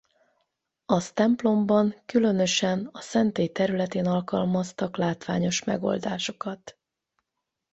Az templomban különösen a szentély területén alkalmaztak látványos megoldásokat.